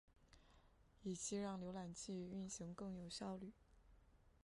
以期让浏览器运行更有效率。